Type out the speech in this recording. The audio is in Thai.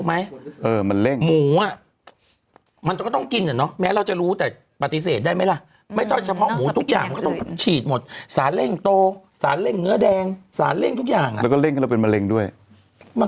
ไม่มันเป็นเข็มที่ว่าฉีดฮอร์โมนฉีดสารเล็กเนื้อแดงอะไรอย่างนี้ไง